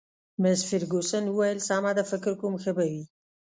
مس فرګوسن وویل: سمه ده، فکر کوم ښه به وي.